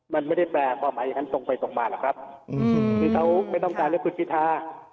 มันไม่ได้แปลความหมายอย่างนั้นตรงไปตรงมาหรอกครับที่เขาไม่ต้องการเลือกคุณพิทา